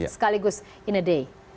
sekaligus in a day